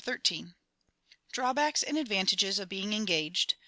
XIII _Drawbacks and advantages of being engaged.